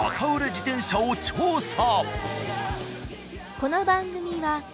自転車を調査！